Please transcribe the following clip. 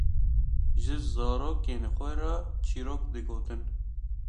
ji zarokên xwe re çîrok digotin.